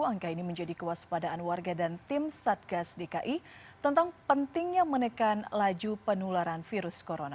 angka ini menjadi kewaspadaan warga dan tim satgas dki tentang pentingnya menekan laju penularan virus corona